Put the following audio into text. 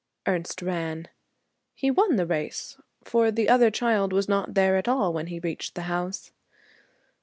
Ernest ran. He won the race. For the other child was not there at all when he reached the house.